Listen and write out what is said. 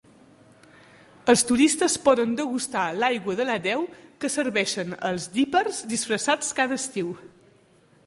Els turistes poden degustar l'aigua de la deu que serveixen els "Dippers" disfressats cada estiu.